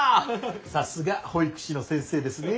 さすが保育士の先生ですね。